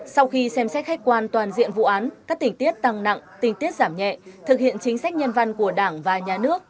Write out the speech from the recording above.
sau khi xem xét khách quan toàn diện vụ án các tình tiết tăng nặng tình tiết giảm nhẹ thực hiện chính sách nhân văn của đảng và nhà nước